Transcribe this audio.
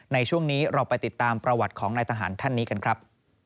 ในช่วงนี้เราไปติดตามประวัติของนายทหารท่านนี้กันครับ